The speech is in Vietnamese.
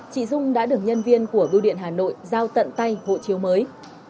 chị dung đã được nhân viên của bưu điện hà nội giao tận tay hộ chiếu mới